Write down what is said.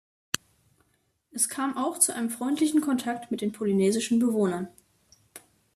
Es kam auch zu einem freundlichen Kontakt mit den polynesischen Bewohnern.